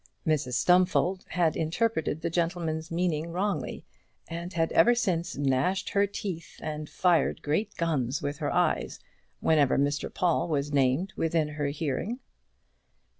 Mrs Stumfold had interpreted the gentleman's meaning wrongly, and had ever since gnashed with her teeth and fired great guns with her eyes whenever Mr Paul was named within her hearing.